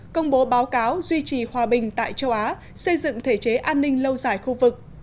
công bố báo cáo duy trì hòa bình tại châu á xây dựng thể chế an ninh lâu dài khu vực